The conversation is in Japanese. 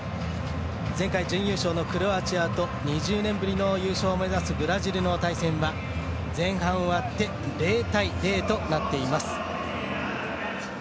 前回、準優勝のクロアチアと２０年ぶりの優勝を目指すブラジルの対戦は前半終わって０対０となっています。